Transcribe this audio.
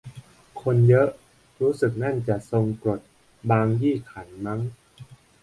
คนเยอะ รู้สึกนั่นจะ ทรงกลด บางยี่ขัน มั๊ง